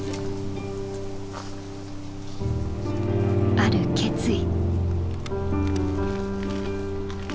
ある決意。